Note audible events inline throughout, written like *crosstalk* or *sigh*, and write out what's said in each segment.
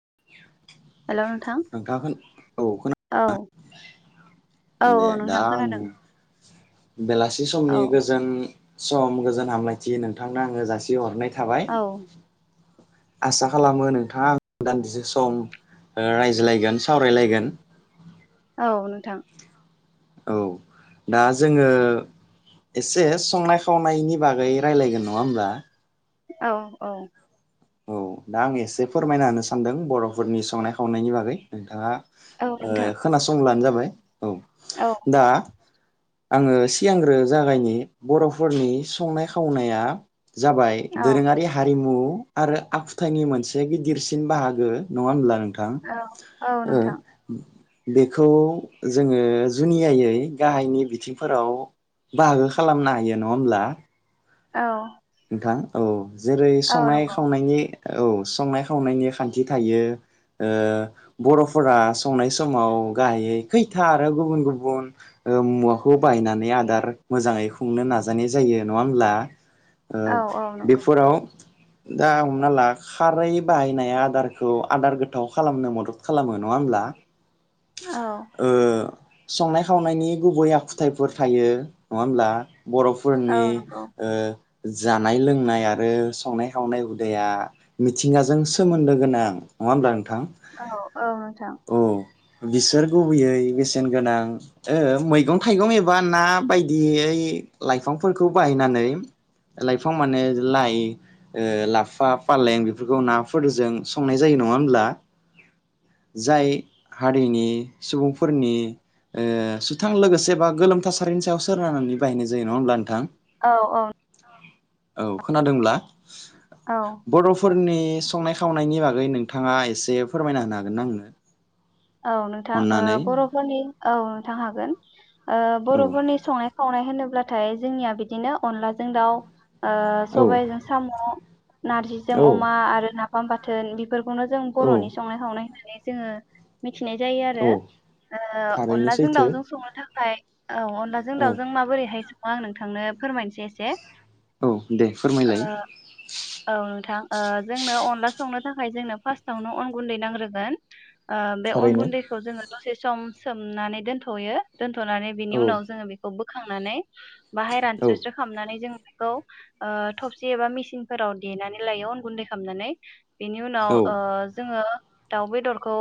*inaudible* हेल' नोंथां नोंथाङा खोन औ खोना औ औ दे औ दा नोंथां आं खोनादों बेलासि औ समनि गोजोन सम गोजोन हामलायथि नोंथांनो आङो जासि हरनाय थाबाय औ आसा खालामो नोंथाङा आं दान्दिसे सम ओ रायज्लायगोन सावरायलायगोन औ नोंथां औ दा जोङो एसे संनाय खावनायनि बागै रायलायगोन नङा होमबा औ औ औ दा आं एसे फोरमायना होनो सानदों बर'फोरनि संनाय खावनायनि बागै नोंथाङा औ ओ नोंथां खोनासंब्लानो जाबाय *inaudible* औ औ दा आङो सिगांग्रो जागायनि बर'फोरनि संनाय खावनाया जाबाय औ दोरोङारि हारिमु आरो आखुथायाइनि मोनसे गिदिरसिन बाहागो नङा होनब्ला नों थां औ औ नोंथां बेखौ जोङो जुनियायै गाहायनि बिथिंफोराव बाहागो खालामनो हायो नङा होमब्ला औ नोंथां औ जेरै औ संनाय नंगौ खावनायनि औ संनाय खावनायनि खान्थि थायो ओ बर'फोरा संनाय समाव गाहायै खैथा आरो गुबुन गुबुन मुवाखौ बाहायनानै आदार मोजाङै खुंनो नाजानाय जायो नङा होमब्ला ओ औ औ नंगौ बेफोराव दा हमना ला खारै बाहायनाय आदारखौ आदार गोथाव खालामनो मदद खालामो नङा होमब्ला औ ओ संनाय खावनायनि गुबै आखुथायाइफोर थायो नङा होमब्ला औ बर'फोरनि नंगौ ओ जानाय लोंनाय आरो संनाय खावनाय हुदाया मिथिंगाजों सोमोन्दो गोनां नङा होमब्ला नों थां औ औ नोंथां औ बिसोर गुबैयै बेसेन गोनां मैगं थाइगं एबा ना बायदियै लाइफांफोरखौ बाहायनानै लाइफां माने लाइ लाफा फालें बेफोरखौ नाफोरजों संनाय जायो नङा होमब्ला जाय हारिनि सुबुंफोरनि ओ सुथां लोगोसे बा गोलोम थासारिनि सायाव सोनारनानै बाहायनाय जायो नङा होमब्ला नोंथां औ औ औ खोनादोंब्ला औ बर'फोरनि संनाय खावनायनि बागै नोंथाङा एसे फोरमायना होनो हागोन ना आंनो औ नोंथां ओ बर'फोरनि औ नोंथां हागोन ओ अननानै औ बर'फोरनि संनाय खावनाय होनोब्लाथाय जोंनिया बिदिनो अनलाजों दाउ ओ औ सबायजों साम' नारजिजों औ अमा आरो ना फाम बाथोन बेफोरखौनो जों बर'नि औ संनाय खावनाय होननानै जोङो खिनाय जायो आरो औ थारैनो अनलाजों सैथो दाउजों संनो थाखाय खाय औ अनलाजों औ दाउजों माबोरैहाय आं नोंथांनो फोरमायनोसै एसे औ दे ओ फोरमायलाय औ नोंथां जोंनो अनला संनो थाखाय जोंनो फार्सटावनो अन गुन्दै नांग्रोगोन बे अन थारैनो गुन्दैखौ जोङो दसे सम सोमनानै दोनथ'यो दोन्थ'नानै बिनि औ उनाव जोङो बेखौ बो खांनानै बाहाय औ रानस्रोस्रो खालामनानै जों खौ थबसि एबा मेसिनफोराव देनानै लायो अन गुन्दै खालामनानै बेनि औ उनाव जोङो दाउ बेदरखौ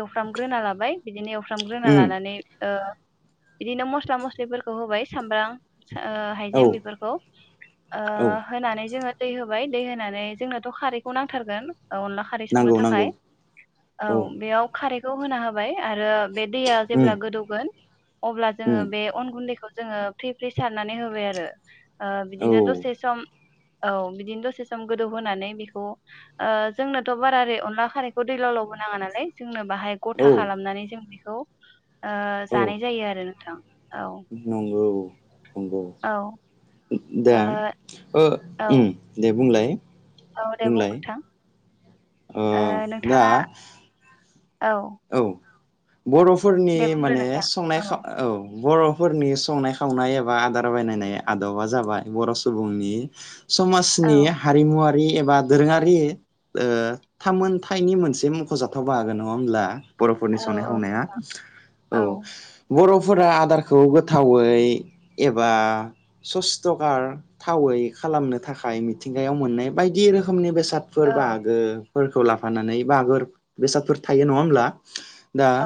एवफ्रामग्रोना लाबाय बिदिनो एवफ्राम फ्रामग्रोना उम लानानै बिदिनो मस्ला मस्लिफोरखौ होबाय सामब्राम औ हाइजें बेफोरखौ औ होनानै जोङो दै होबाय दै होनानै जोंनाथ' खारैखौ नांथारगोन औ अनला खारै संनो नांगौ नांगौ थाखाय औ बेयाव खारैखौ होना होबाय आरो बे दैया उम जेब्ला गोदौगोन अब्ला जोङो उम बे अन गुन्दैखौ जोङो फ्रि फ्रि सारनानै होबाय आरो औ बिदिनो दसे सम औ बिदिनो दसे सम गोदौ होनोनानै बेखौ जोंनोथ' बारा ओरै अनला खारैखौ दै लाव लावबो नाङा नालाय जोंनो बाहाय औ गथा खालामनानै जों बेखौ औ जानाय जायो आरो नोंथां औ नंगौ नंगौ औ ओ दा ओ दे बुंलाय औ दे बुं बुंलाय नोथां ओ दा नोंथाङा औ बर'फोरनि दे बुंदो माने नोंथां संनायाव औ खावनाय‌ औ बर' फोरनि संनाय खावनाय एबा आदार बानायनाय आद'बा जाबाय बर' सुबुंनि औ समाजनि हारिमुवारि एबा दोरोङारि थामोनथाइनि मोनसे मख'जाथाव बाहागो नङा होमब्ला बर'फोरनि औ संनाय औ खावनाया औ बर' आफोरा आदारखौ गोथावै एबा सस्थ'कार थावै खालामनो थाखाय मिथिंगायाव मोननाय बायदि रोखोमनि बेसन फोर औ बाहागो फोरखौ लाफानानै *unintelligible* बेसादफोर थायो नङा होमब्ला *unintelligible* दा औ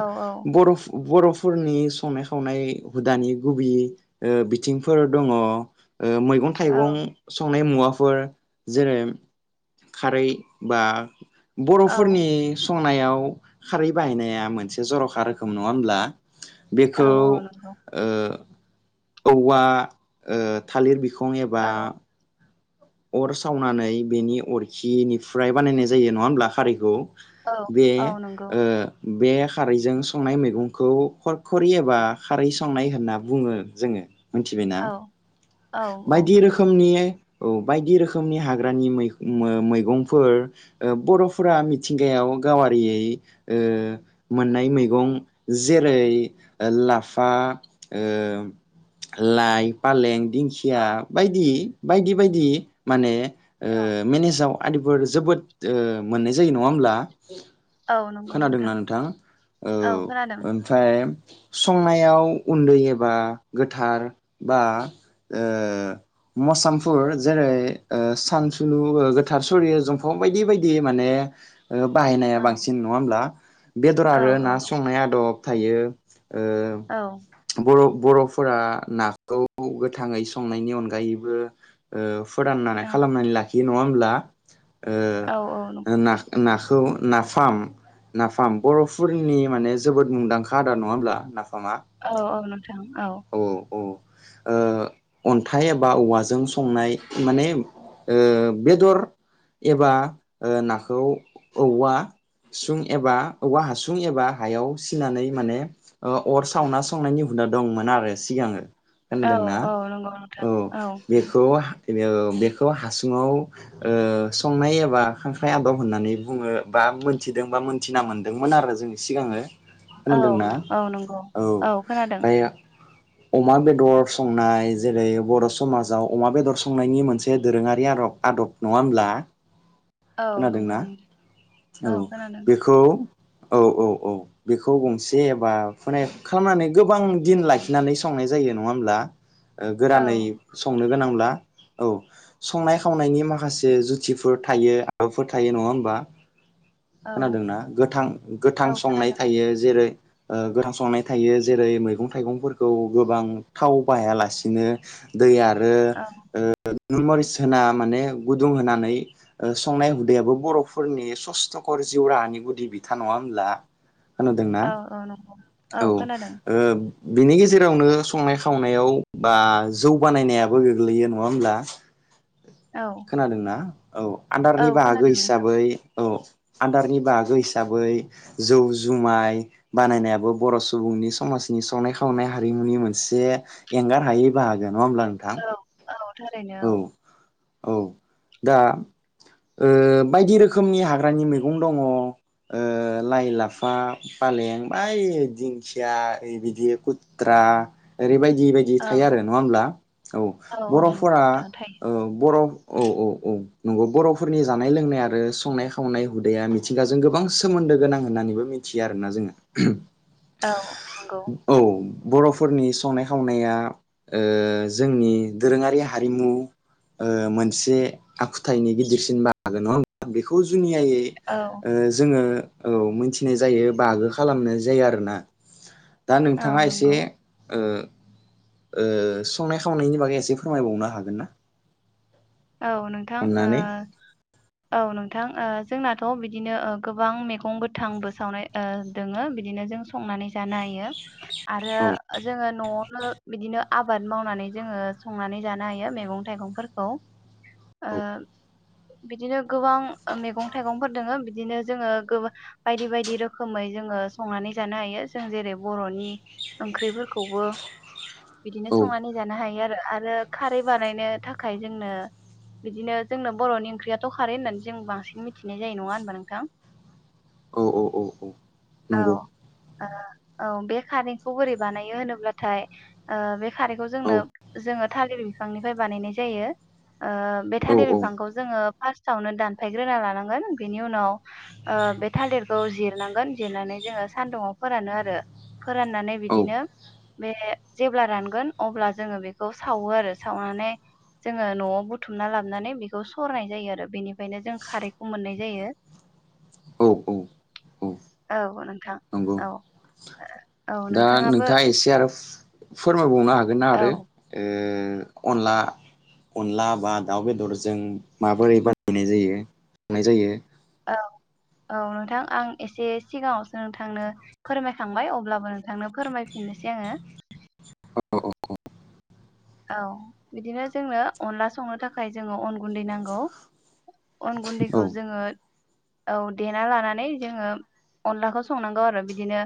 बर' बर'फोरनि संनाय खावनाय हुदानि गुबै ओ बिथिंफोर दङ ओ मैगं औ थाइं नाय मुवाफोर जेरै खारै बा बर'फोरनि सम नायाव खारै बाहायनाया मोनसे जर'खा रोखोम नङा होमब्ला औ बेखौ नंगौ ओ औवा ओ थालिर बिख फं एबा अर सावनानै बेनि अरखिनिफ्राय बानायनाय जायो नङा होमब्ला खारैखौ बे ओ बे खारैजों संनाय मैगंखौ खरखरि एबा खारै संनाय होनना बुङो जोङो मिथिबायना औ औ नंगौ बायदि रोखोमनि *unintelligible* औ बायदि रोखोमनि औ मै-मैगंफोर ओ बर'फोरा मिथिंगायाव गावारियै ओ मोननाय मैगंफोर जेरै लाफा ओ लाय पालें दि औ खिया बायदि बायदि बायदि माने ओ औ मेनेजाव आदिफोर जोबोद ओ मोननाय जायो नङा होमब्ला औ नंगौ खोनादोंना नोंथां औ ओमफ्राय संनायाव उन्दै एबा गोथार बा ओ मसामफोर जेरै ओ सानसुलु गोथार सरियो जम्फब बायदि बायदि माने ओ बाहायनाया औ बांसिन नङा होमब्ला बेदर औ आरो औ ना नंगौ संनाय आदब थायो औ ओ बर' बर'फोरा नाखौ गु गोथाङै संनायनि अनगायैबो ओ फोरदाननानै औ खालामनानै लाखि बिदि नङाहोमब्ला ओ औ औ नंगौ ना-नाखो खौ नाफाम नाफाम बर'फोरनि माने जोबोद मुंदांखा आदार नङा होमब्ला नाफाम औ औ औ औ ओ अन्थाइ एबा औवाजों संनाय माने बेदर एबा नाखौ औवा सुं एबा औवा हासुं एबा हायाव सिनानै माने अर सावना संनायनि हुदा दंमोन आरो आरो सिगाङो औ खोनादोंना औ नंगौ नोंथां औ बेखौ बेदिनो बेखौ हासुङाव संनाय एबा खांख्राइ आदब होननानै बुङो बा मोनथिदों बा मोनथिना मोनदोंमोन आरो जों सिगाङो औ खोनादोंना औ नंगौ औ खोनादों अमा बेदर संनाय जेरै बर' समाजाव अमा बेदर संनायनि मोनसे दोरोङारि आदब आदब नङा होमब्ला औ खोनादोंना नंगौ नोंथां औ बेखौ औ औ औ बेखौ गंसे एबा माने खालामनानै गोबां दिन लाखियो नानै संनाय जायो नङा होमब्ला औ गोरानै संनो गोनांब्ला औ संनाय खावनायनि माखासे जुथिफोर थायो आदबफोर थायो नङा होमबा औ खोनादोंना गोथां गोथां औ संनाय खोनादों थायो जेरै गोथां संनाय थायो जेरै मैगं थाइगंफोरखौ गोबां थाव बाहाया लासेनो दै आरो औ *unintelligible* होना माने गुदुं होनानै संनाय हुदायाबो बर'फोरनि सस्थ'खर जिउ राहानि गुदि बिथा नङा होनब्ला खोनोदोंना औ औ नंगौ औ खोनादों बिनि गेजेरावनो संनाय खावनायाव बा जौ बानायनायाबो गोग्लैयो नङा होमब्ला औ खोनादोंना औ औ आदारनि बाहागो खोनादों नोंथां हिसाबै औ आदारनि बाहागो हिसाबै जौ जुमाय बानायनायाबो बर' सुबुंनि समाजनि संनाय खावनाय खावनाय हारिमुनि मोनसे एंगार हायै बाहागो नङा होमब्ला नोंथां औ औ थारैनो औ औ दा बायदि रोखोमनि हाग्रानि मैगं दङ लाइ लाफा फालें बाइ दिंखिया बिदि खुथ्रा ओरैबायदि बायदि बायदि औ थायो आरो नङा होमब्ला औ औ नंगौ बर'फोरनि नोंथां थायो औ बर' औ औ औ नंगौ बर'फोरनि जानाय लोंनाय आरो संनाय खावनाय हुदाया मिथिंगाजों गोबां सोमोन्दो गोनां होननानैबो मिथियो आरोना जोङो औ नंगौ औ बर'फोरनि संनाय खावनाया जोंनि दोरोङारि हारि हारिमु मोनसे आखुथाइनि गिदिरसिन बाहागो नङा होमबा बेखौ जुनियायै औ जोङो औ मोनथिनाय जायो बाहागो खालामनाय जायो आरोना। दा औ नोंथाङा एसे नंगौ संनाय खावनायनि बागै एसे फोरमायबावनो हागोन ना। औ नोंथां अननानै औ नोंथां नोंथां जोंनाथ' बिदिनो गोबां मैगं गोथांबो सावनाय दोङो बिदिनो जों संनानै जानो हायो आरो औ जोङो न'आवनो बिदिनो आबाद मावनानै जोङो संनानै जानो हायो मैगं थाइगंफोरखौ। ओ औ बिदिनो गोबां मैगं थाइगंफोर दङो बिदिनो जोङो गोबां बायदि बायदि रोखोमै जोङो संनानै जानो हायो जों जेरै बर'नि ओंख्रिफोरखौबो बिदिनो संनानै जानो हायो आरो। आरो खारै बानायनो थाखाय जोंनो बिदिनो जोंनो बर'नि ओंख्रियाथ' खारै होननानै जों बांसिन मिथिनाय जायो नङा होनबा नोंथां? औ औ औ औ नंगौ। औ औ बे खारैखौ बोरै बानायो होनोब्लाथाय बे खारैखौ औ जोंनो जोङो थालिर बिफांनिफ्राय बानायनाय जायो। बे औ थालिर बिफांखौ जोङो फार्स्टावनो दानफायग्रोना लानांगोन बेनि उनाव बे थालिरखौ जिरनांगोन जिरनानै जोङो सानदुंङाव फोरानो आरो फोराननानै औ बिदिनो बे जेब्ला रानगोन अब्ला जोङो बेखौ सावो आरो सावनानै जोङो न'आव। बुथुमना लाबोनानै बेखौ सरनाय जायो आरो बेनिफ्रायनो जों खारैखौ मोननाय जायो औ औ औ नोंथां नंगौ औ। दा नोंथाङाबो नोंथाङा एसे आरो फोरमायबावनो हागोन। हागोन ना औ आरो? अनला अनला बा दाउ बेदरजों माबोरै बानायनाय जायो जायो। औ औ नोंथां आं एसे सिगाङावसो नोंथांनो फोरमायखांबाय अब्लाबो नोंथांनो फोरमायफिननोसै आङो। औ औ औ बिदिनो जोंनो अनला संनो थाखाय जोंङो अन गुन्दै नांगौ। अन औ गुन्दैखौ जोङो औ देना लानानै जोङो अनलाखौ संनांगौ आरो बिदिनो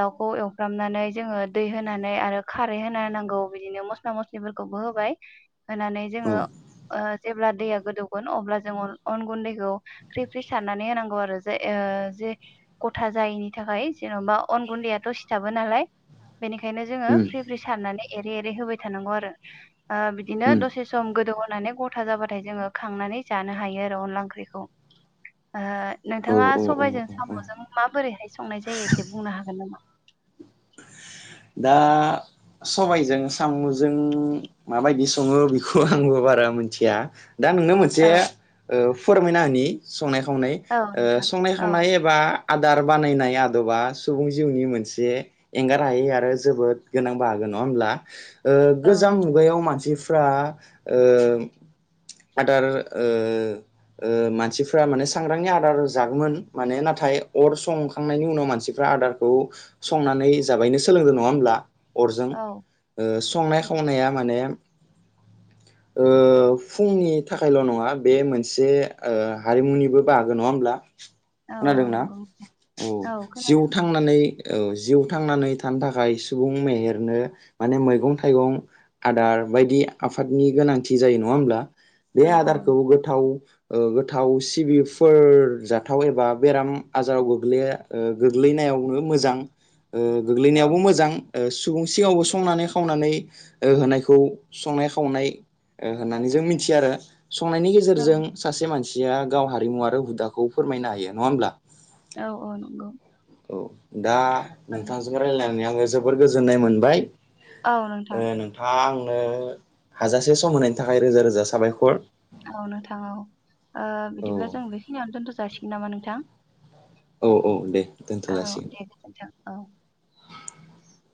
दाउखौ एवफ्रामनानै जोङो दै होनानै आरो खारै होना होनांगौ बिदिनो मस्ला मस्ला मस्लिफोरखौबो होबाय होनानै औ जोङो जेब्ला दैया गोदौगोन अब्ला जोंङो अन गुन्दैखौ फ्रि फ्रि सारनानै होनांगौ आरो जे गथा जायिनि थाखाय जेन'बा अन गुन्दैयाथ' सिथाबो नालाय बेनिखायनो जोङो उम फ्रि फ्रि सारनानै एरे एरै होबाय। थानांगौ आरो बिदिनो उम दसे सम गोदौहोनानै गथा जाबाथाय जोङो खांनानै जानो हायो आरो अनला ओंख्रिखौ औ औ नोंथाङा औ सबायाइजों औ औ साम'जों माबोरैहाय संनाय जायो एसे बुंनो हागोन नामा? दा सबायजों साम'जों माबायदि सङो बेखौ आंबो बारा मिथिया। दा नोंनो मोनसे औ फोरमायना होनि संनाय खावनाय औ नोंथां संनाय औ खावनाय एबा आदार बानायनाय आदबा सुबुं जिउनि मोनसे एंगार हायै आरो आरो जोबोद गोनां बाहागोन नङा होमब्ला? औ गोजाम नोंथां मुगायाव मानसिफोरा फ्रा आदार मानसिफ्रा माने सांग्रांनि आदार जागौमोन माने नाथाय अर संखांनायनि उनाव मानसिफ्रा आदारखौ संनानै जाबायनो सोलोंदों नङा होमब्ला अरजों औ संनाय खावनाया माने फुंनि थाखायल' नङा बे मोनसे हारिमुनिबो बाहागो नङा होमब्ला औ औ खोनादोंना नंगौ औ जिउ थांनानै औ जिउ थांनानै थानो थाखाय सुबुं मेहेरनो माने मैगं थाइगं आदार बायदि आफादनि गोनांथि जायो नङा होमब्ला बे औ आदारखौ गोथाव गोथाव सिबिफोर जाथाव एबा बेराम आजाराव गोग्लै गोग्लैनायावनो मोजां औ गोग्लैनायावबो मोजां सुबुं सिगावबो संनानै खावनानै होनायखौ संनाय खावनाय होननानै जों मिथि मिथि आरो संनायनि औ गेजेरजों सासे मानसि या गाव हारिमु आरो हुदाखौ फोरमायनो हायो नङा होमब्ला औ औ नंगौ औ दा औ नोंथांजों रायलायनानै आं जोबोर गोजोननाय मोनबाय औ नोंथां नोंथाङा आं हाजासे सम होनायनि थाखाय रोजा रोजा साबायखर औ नोंथां औ औ बिदिब्ला जों बेखिनियावनो दोनथ'सै जासिगोन नामा नोंथां औ औ दे दोनथ' औ जासिगोन दे गोजोनथों औ *inaudible*